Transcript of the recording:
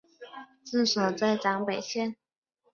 治所在张北县。